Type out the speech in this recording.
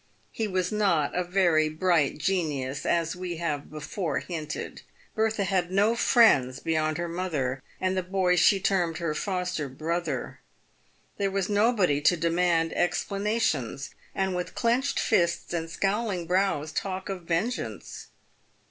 He was not a very bright genius, as we have before hinted. Bertha had no friends beyond her mother and the boy she termed her foster brother. There was nobody to demand ex planations, and with clenched fists and scowling brows talk of ven geance.